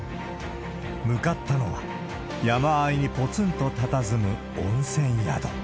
向かったのは、山あいにぽつんとたたずむ温泉宿。